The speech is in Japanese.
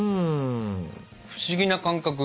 不思議な感覚。